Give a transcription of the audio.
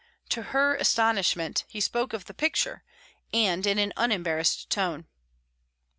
To her astonishment, he spoke of the picture, and in an unembarrassed tone.